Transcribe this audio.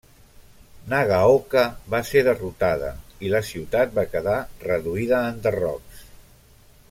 Nagaoka va ser derrotada i la ciutat va quedar reduïda a enderrocs.